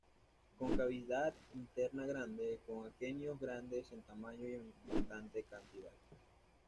Con cavidad interna grande, con aquenios grandes en tamaño y en bastante cantidad.